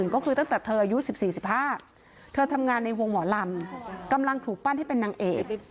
ก็คือตั้งแต่เธออายุ๑๔๑๕เธอทำงานในวงหมอลำกำลังถูกปั้นให้เป็นนางเอก